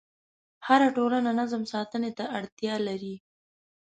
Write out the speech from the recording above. هره ټولنه نظم ساتنې ته اړتیا لري.